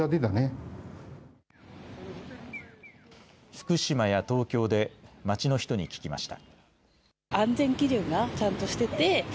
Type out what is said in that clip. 福島や東京で街の人に聞きました。